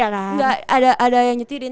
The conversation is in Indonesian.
enggak ada yang nyetirin